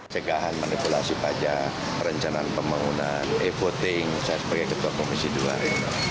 secara tegas saya menyatakan bahwa dpr tidak usah ikut